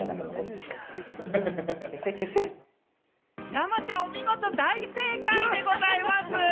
山ちゃん、お見事、大正解でございます。